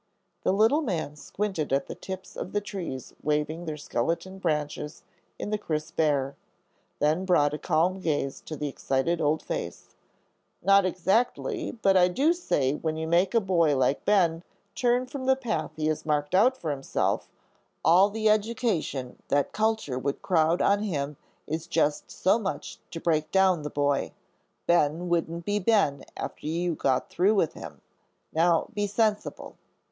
The little man squinted at the tips of the trees waving their skeleton branches in the crisp air, then brought a calm gaze to the excited old face: "Not exactly; but I do say when you make a boy like Ben turn from the path he has marked out for himself, all the education that culture would crowd on him is just so much to break down the boy. Ben wouldn't be Ben after you got through with him. Now be sensible."